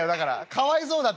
かわいそうだって」。